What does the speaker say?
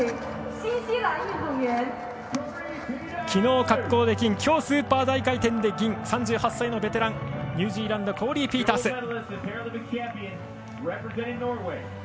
昨日、滑降で金今日、スーパー大回転で銀３８歳のベテランニュージーランドコーリー・ピータース。